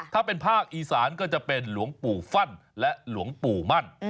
ถ้าเป็นภาคอีสานก็จะเป็นหลวงปู่ฟั่นและหลวงปู่มั่น